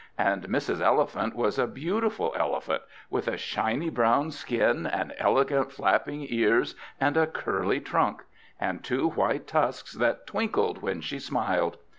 And Mrs. Elephant was a beautiful elephant, with a shiny brown skin, and elegant flapping ears, and a curly trunk, and two white tusks that twinkled when she smiled.